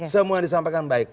semua disampaikan baik